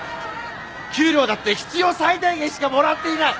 給料だって必要最低限しかもらっていない。